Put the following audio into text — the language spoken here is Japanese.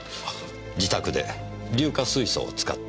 自宅で硫化水素を使って。